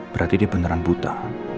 berarti dia beneran buta